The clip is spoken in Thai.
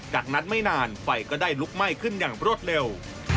จากนั้นไม่นานไฟก็ได้ลุกไหม้ขึ้นอย่างรวดเร็ว